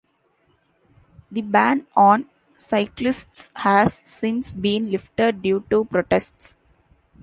The ban on cyclists has since been lifted due to protests.